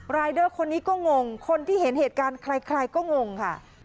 รายเดอร์คนนี้ก็งงคนที่เห็นเหตุการณ์ใครก็งงค่ะ